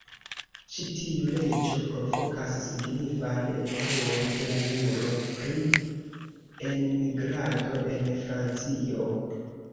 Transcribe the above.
Ĉi tiu leĝo provokas signifan evoluon de la juro pri enmigrado en Francio.